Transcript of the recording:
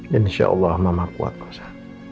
insya allah mama kuat masa